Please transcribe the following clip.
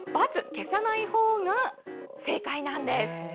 消さない方が正解なんです。